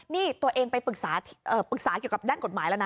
นี่ตัวเองไปปรึกษาเกี่ยวกับด้านกฎหมายแล้วนะ